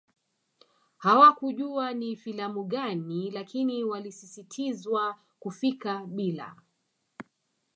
Hawakujua ni filamu gani lakini walisisitizwa kufika bila